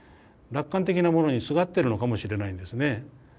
楽観的なものにすがってるのかもしれないんですね。